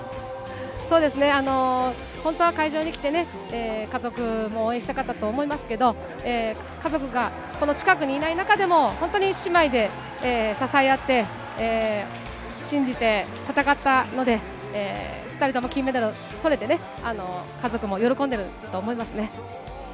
本当は会場に来て家族も応援したかったと思いますけど、家族がこの近くにいない中でも、本当に姉妹で支え合って、信じて戦ったので、２人とも金メダルとれて、家族も喜んでると思いますね。